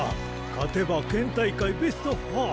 勝てば県大会ベスト４。